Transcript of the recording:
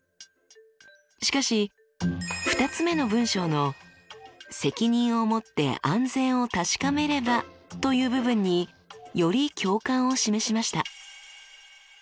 しかし２つ目の文章の「責任をもって安全を確かめれば」という部分により共感を示しました。